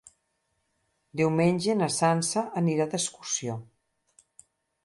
Diumenge na Sança anirà d'excursió.